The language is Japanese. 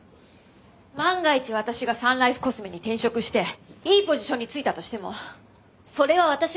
万が一私がサンライフコスメに転職していいポジションに就いたとしてもそれは私が優秀だからよ。